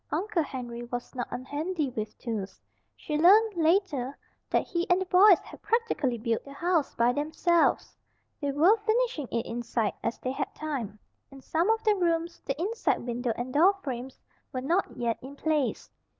Uncle Henry was not unhandy with tools. She learned, later, that he and the boys had practically built the house by themselves. They were finishing it inside, as they had time. In some of the rooms the inside window and door frames were not yet in place.